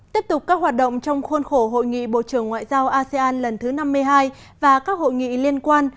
tiếp tục các hoạt động trong khuôn khổ hội nghị bộ trưởng ngoại giao asean lần thứ năm mươi hai và các hội nghị liên quan